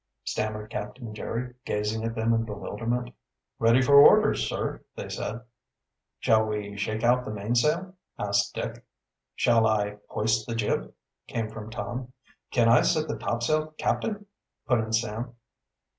stammered Captain Jerry, gazing at them in bewilderment. "Ready for orders, sir," they said. "Shall we shake out the mainsail?" asked Dick. "Shall I hoist the jib?" came from Tom. "Can I set the topsail, captain?" put in Sam.